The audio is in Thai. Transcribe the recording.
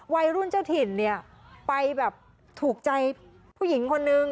วัยรุ่นเจ้าถิ่นเนี่ยไปแบบถูกใจผู้หญิงคนนึง